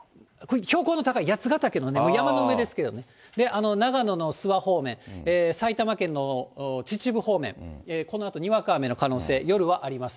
標高の高い八ヶ岳の山の上ですけどね、長野の諏訪方面、埼玉県の秩父地方、このあと、にわか雨の可能性、夜はあります。